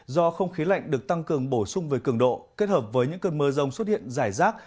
do không khí lạnh được tăng cường bổ sung về cường độ kết hợp với những cơn mưa rông xuất hiện rải rác